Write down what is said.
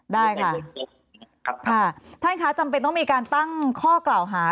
ได้ค่ะครับค่ะท่านคะจำเป็นต้องมีการตั้งข้อกล่าวหา